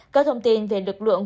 các thông tin về lực lượng